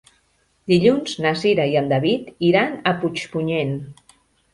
Dilluns na Cira i en David iran a Puigpunyent.